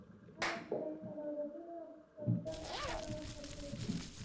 خلک باید خپل اولادونه و زده کړو ته و هڅوي.